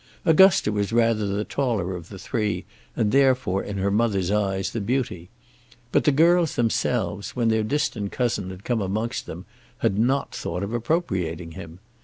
Augusta was rather the taller of the three, and therefore, in her mother's eyes, the beauty. But the girls themselves, when their distant cousin had come amongst them, had not thought of appropriating him.